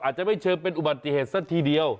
อาจจะไม่เชิงเป็นอุบัติเหตุซะทีเดียว